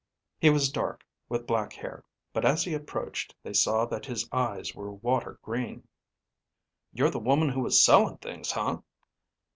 He was dark, with black hair; but as he approached, they saw that his eyes were water green. "You're the woman who was selling things, huh?"